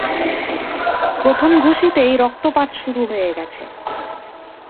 প্রথম ঘষিতেই রক্তপাত শুরু হয়ে গেছে।